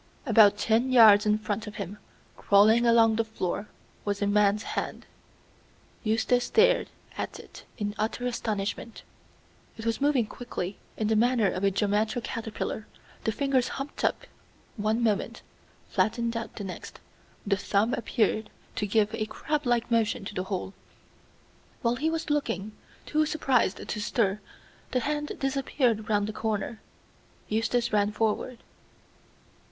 About ten yards in front of him, crawling along the floor, was a man's hand. Eustace stared at it in utter astonishment. It was moving quickly, in the manner of a geometer caterpillar, the fingers humped up one moment, flattened out the next; the thumb appeared to give a crab like motion to the whole. While he was looking, too surprised to stir, the hand disappeared round the corner. Eustace ran forward.